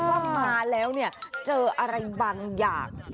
แล้วชาวบ้านบอกว่ามาแล้วเจออะไรบางอย่าง